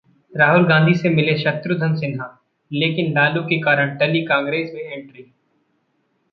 राहुल गांधी से मिले शत्रुघ्न सिन्हा, लेकिन लालू के कारण टली कांग्रेस में एंट्री!